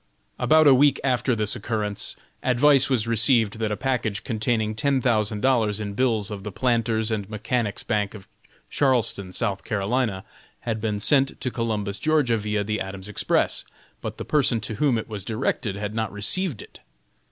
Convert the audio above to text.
About a week after this occurrence, advice was received that a package containing ten thousand dollars in bills of the Planters' and Mechanics' Bank of Charleston, S. C., had been sent to Columbus, Ga., via the Adams Express, but the person to whom it was directed had not received it.